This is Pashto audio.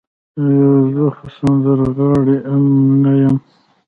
يره زه خو سندرغاړی ام نه يم.